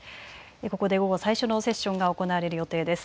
ここで午後、最初のセッションが行われる予定です。